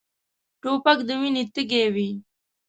توپک د وینې تږی وي.